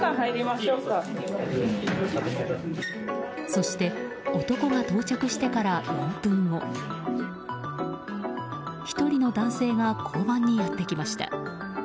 そして、男が到着してから４分後１人の男性が交番にやってきました。